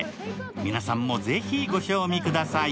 皆さんもぜひ、ご賞味ください。